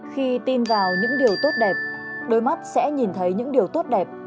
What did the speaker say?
khi tin vào những điều tốt đẹp đôi mắt sẽ nhìn thấy những điều tốt đẹp